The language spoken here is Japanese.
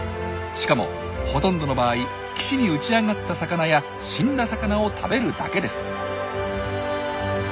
しかもほとんどの場合岸に打ち上がった魚や死んだ魚を食べるだけです。